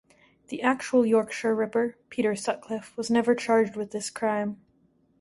The actual Yorkshire Ripper, Peter Sutcliffe, was never charged with this crime.